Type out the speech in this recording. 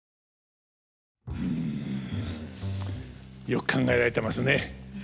よく考えられてますね。